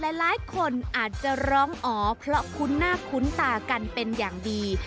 หลายคนอาจจะร้องอ๋อเพราะคุ้นหน้าคุ้นตากันเป็นอย่างดี